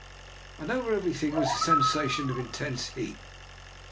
And over everything was the sensation of intense heat.